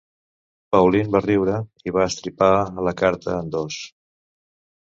Pauline va riure, i va estripar la carta en dos.